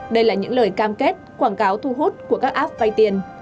đây là những lời cam kết quảng cáo thu hút của các app vay tiền